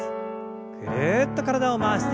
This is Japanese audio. ぐるっと体を回して。